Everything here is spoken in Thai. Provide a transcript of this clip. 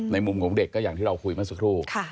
มุมของเด็กก็อย่างที่เราคุยมาสักครู่